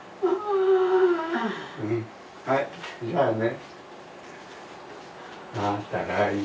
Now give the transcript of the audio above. はい、じゃあね。